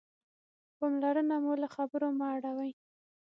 پاملرنه مو له خبرو مه اړوئ.